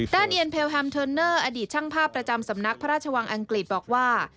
เอียนเพลแฮมเทิร์นเนอร์อดีตช่างภาพประจำสำนักพระราชวังอังกฤษบอกว่า